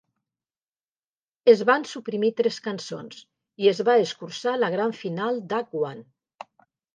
Es van suprimir tres cançons i es va escurçar la gran final d'Act One.